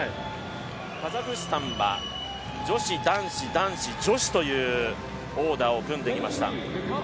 カザフスタンは、女子、男子、男子、女子というオーダーを組んできました。